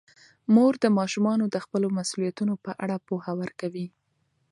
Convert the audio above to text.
مور د ماشومانو د خپلو مسوولیتونو په اړه پوهه ورکوي.